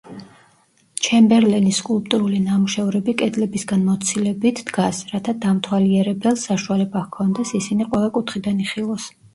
ჩემბერლენის სკულპტურული ნამუშევრები კედლებისგან მოცილებით დგას, რათა დამთვალიერებელს საშუალება ჰქონდეს ისინი ყველა კუთხიდან იხილოს.